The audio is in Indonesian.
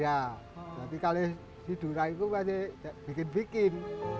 tapi kalau tiduran itu masih bikin bikin